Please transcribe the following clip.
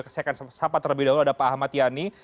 saya akan sahabat terlebih dahulu ada pak ahmad yani